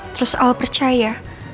terus al percaya